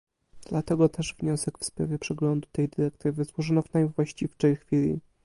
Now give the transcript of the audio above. Dlatego też wniosek w sprawie przeglądu tej dyrektywy złożono w najwłaściwszej chwili